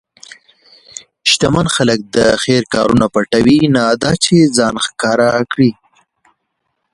شتمن خلک د خیر کارونه پټوي، نه دا چې ځان ښکاره کړي.